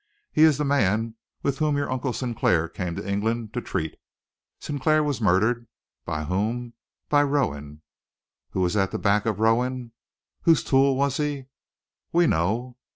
He is the man with whom your Uncle Sinclair came to England to treat. Sinclair was murdered. By whom? By Rowan. Who was at the back of Rowan? Whose tool was he? We know!